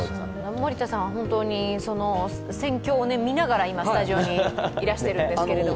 森田さんは本当に戦況を見ながら今、スタジオにいらしているんですけども。